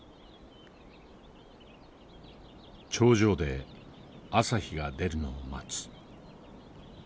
頂上で朝日が出るのを待つ。